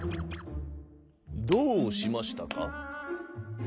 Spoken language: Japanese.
「どうしましたか？」。